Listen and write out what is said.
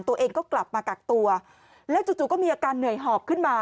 ตัวเองก็กลับมากักตัวแล้วจู่ก็มีอาการเหนื่อยหอบขึ้นมา